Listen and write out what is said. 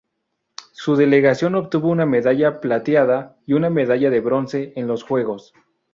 Su delegación obtuvo una medalla plateada y una medalla de bronce en los juegos.